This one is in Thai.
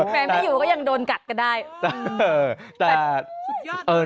แฟนไม่อยู่ก็ยังโดนกัดก็ได้